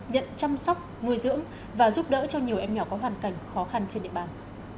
nhận chăm sóc nuôi dưỡng và giúp đỡ cho nhiều em nhỏ có hoàn cảnh khó khăn trên địa bàn